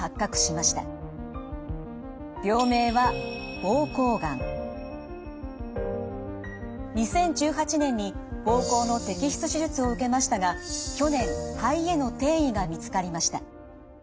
病名は２０１８年に膀胱の摘出手術を受けましたが去年肺への転移が見つかりました。